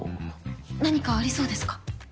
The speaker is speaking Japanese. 何かありそうですか？